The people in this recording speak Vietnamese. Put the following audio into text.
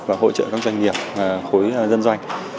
và hỗ trợ các doanh nghiệp khối dân doanh